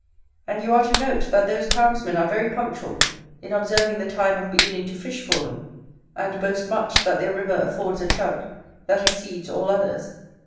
And you are to note, that those townsmen are very punctual in observing the time of beginning to fish for them; and boast much, that their river affords a Trout that exceeds all others.